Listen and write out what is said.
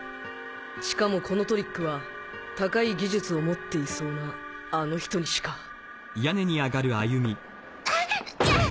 しかもこのトリックは高い技術を持っていそうなあの人にしかあっきゃっ！